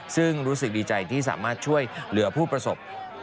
ซึ่งรู้สึกดีใจที่สามารถช่วยเหลือผู้ประสบ